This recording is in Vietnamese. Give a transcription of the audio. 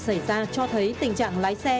xảy ra cho thấy tình trạng lái xe